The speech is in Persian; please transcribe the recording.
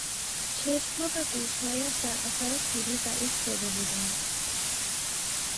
چشمها و گوشهایش در اثر پیری ضعیف شده بودند.